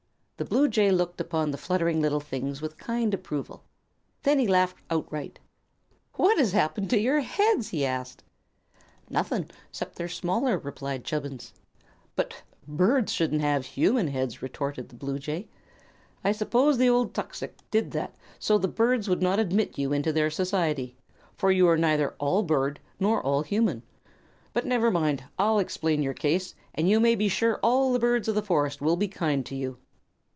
The Bluejay looked upon the fluttering little things with kind approval. Then he laughed outright. "What has happened to your heads?" he asked. "Nothing, 'cept they're smaller," replied Chubbins. "But birds shouldn't have human heads," retorted the bluejay. "I suppose the old tuxix did that so the birds would not admit you into their society, for you are neither all bird nor all human. But never mind; I'll explain your case, and you may be sure all the birds of the forest will be kind to you."